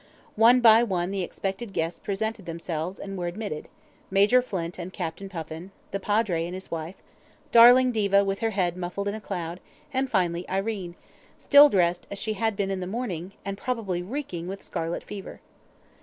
One by one the expected guests presented themselves and were admitted: Major Flint and Captain Puffin, the Padre and his wife, darling Diva with her head muffled in a "cloud", and finally Irene, still dressed as she had been in the morning, and probably reeking with scarlet fever.